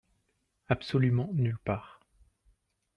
Absolument nulle part.